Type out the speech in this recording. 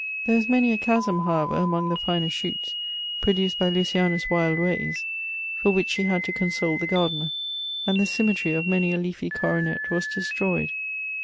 There was many a chasm however among the finest shoots produced by Luciana's wild ways, for which she had to console the gardener, and the symmetry of many a leafy coronet was destroyed.